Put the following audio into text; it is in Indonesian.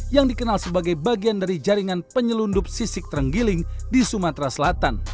yang dikenal sebagai bagian dari jaringan penyelundup sisik terenggiling di sumatera selatan